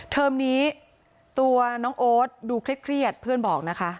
เทอมนี้ตัวน้องโอ๊ตดูเครียดเพื่อนบอกนะคะ